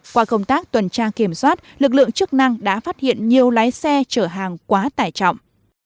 qua công tác tuần tra kiểm soát lực lượng chức năng đã phát hiện nhiều lái xe chở hàng quá tải trọng